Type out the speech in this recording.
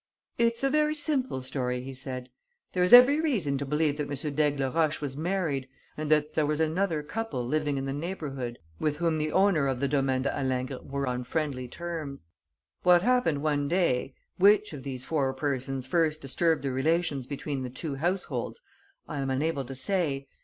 "It's a very simple story," he said. "There is every reason to believe that M. d'Aigleroche was married and that there was another couple living in the neighbourhood with whom the owner of the Domaine de Halingre were on friendly terms. What happened one day, which of these four persons first disturbed the relations between the two households, I am unable to say.